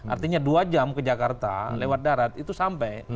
artinya dua jam ke jakarta lewat darat itu sampai